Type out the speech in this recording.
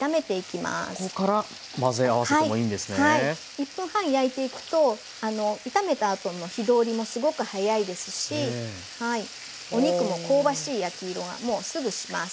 １分半焼いていくと炒めたあとの火通りもすごくはやいですしお肉も香ばしい焼き色がもうすぐします。